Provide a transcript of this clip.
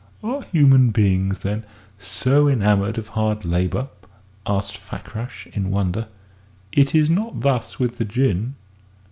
"Are human beings, then, so enamoured of hard labour?" asked Fakrash, in wonder. "It is not thus with the Jinn."